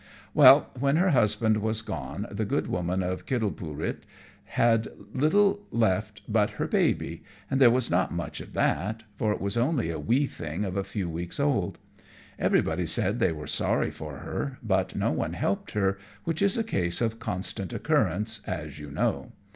Well, when her husband was gone the good woman of Kittleroopit had little left but her baby, and there was not much of that; for it was only a wee thing of a few weeks old. Everybody said they were sorry for her, but no one helped her, which is a case of constant occurrence, as you know.